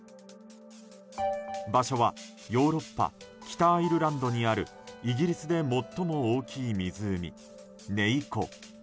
場所はヨーロッパ北アイルランドにあるイギリスで最も大きい湖ネイ湖。